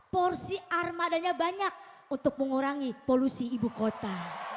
porsi armadanya banyak untuk mengurangi polusi ibu kota